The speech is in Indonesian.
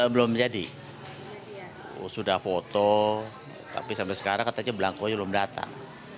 belum jadi sudah foto tapi sampai sekarang katanya belangkonya belum datang